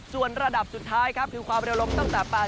ส่วนระดับสุดท้ายครับคือความบริโรนลงตั้งแต่๘๙กิโลเมตร